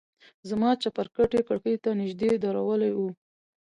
زما چپرکټ يې کړکۍ ته نژدې درولى و.